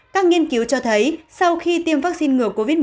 các nghiên cứu cho thấy sau khi tiêm vaccine ngừa covid một mươi chín